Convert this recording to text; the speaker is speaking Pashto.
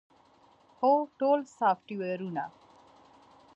هو، ټول سافټویرونه